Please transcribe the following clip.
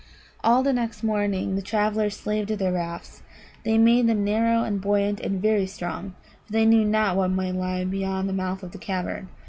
All the next morning the travellers slaved at their rafts. They made them narrow and buoyant and very strong, for they knew not what might lie beyond the mouth of the cavern.